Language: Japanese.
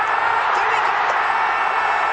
飛び込んだ！